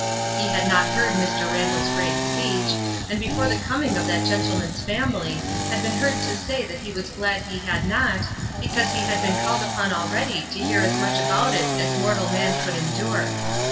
He had not heard Mr. Randall's great speech, and before the coming of that gentleman's family had been heard to say that he was glad he had not, because he had been called upon already to hear as much about it as mortal man could endure.